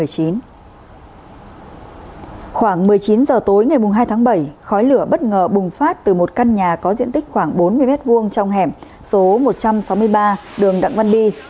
khoảng một mươi chín h tối ngày hai tháng bảy khói lửa bất ngờ bùng phát từ một căn nhà có diện tích khoảng bốn mươi m hai trong hẻm số một trăm sáu mươi ba đường đặng văn đi